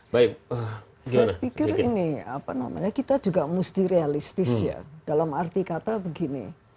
saya pikir ini apa namanya kita juga mesti realistis ya dalam arti kata begini